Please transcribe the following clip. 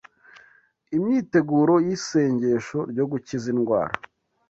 Imyiteguro y’Isengesho ryo Gukiza Indwara